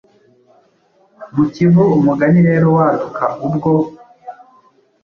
mu kivu Umugani rero waduka ubwo ,